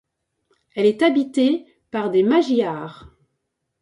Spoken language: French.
Elle est habitée par des Magyars.